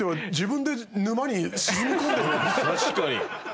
確かに。